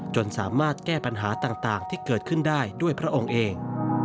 จนสามารถแก้ปัญหาต่างที่เกิดขึ้นได้ด้วยพระองค์เอง